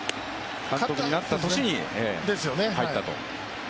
監督になった年に入ったと。